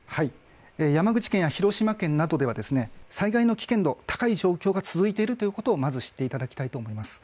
山口県や広島県などでは災害の危険が高い状況が続いているということをまず知っていただきたいと思います。